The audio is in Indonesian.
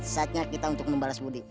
saatnya kita untuk membalas budi